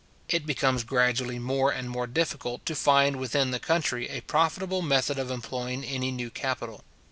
It becomes gradually more and more difficult to find within the country a profitable method of employing any new capital.